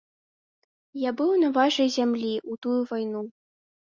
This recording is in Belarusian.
Я быў на вашай зямлі ў тую вайну.